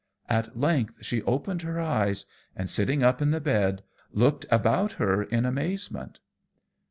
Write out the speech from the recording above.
At length she opened her eyes, and sitting up in the bed, looked about her in amazement.